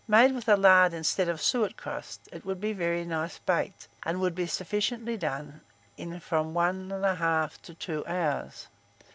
Made with a lard instead of a suet crust, it would be very nice baked, and would be sufficiently done in from 1 1/2 to 2 hours.